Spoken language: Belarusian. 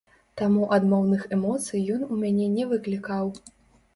Таму адмоўных эмоцый ён у мяне не выклікаў.